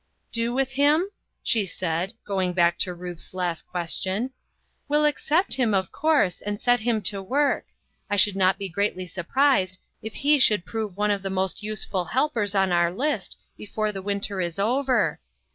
"Do with him?" she said, going back to Ruth's last question. " We'll accept him, of course, and set him to work ; I should not be greatly surprised if he should prove one of the most useful helpers on our list before INNOVATIONS. 199 the winter is over.